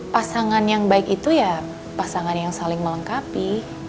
pasangan yang baik itu ya pasangan yang saling melengkapi